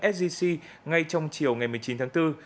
sgc ngay trong chiều ngày một mươi chín tháng bốn